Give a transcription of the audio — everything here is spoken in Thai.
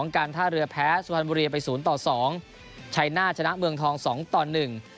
การท่าเรือแพ้สุธรรมบุรีไป๐๒ชัยน่าชนะเมืองทอง๒๑